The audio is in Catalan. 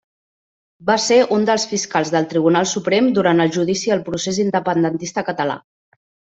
Va ser un dels fiscals del Tribunal Suprem durant el Judici al procés independentista català.